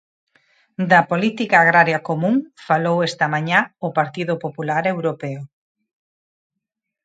Da política agraria común falou esta mañá o Partido Popular europeo.